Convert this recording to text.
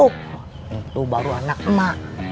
kamu baru anak saya